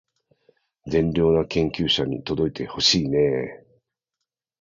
善良な研究者に届いてほしいねー